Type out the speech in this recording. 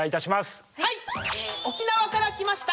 同じく沖縄から来ました